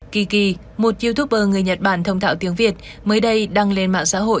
kiki một youtuber người nhật bản thông thạo tiếng việt mới đây đăng lên mạng xã hội